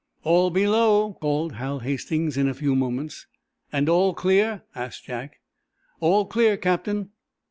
"All below," called Hal Hastings in a few moments. "And all clear?" asked Jack. "All clear, Captain."